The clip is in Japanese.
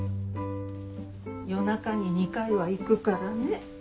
夜中に２回は行くからね。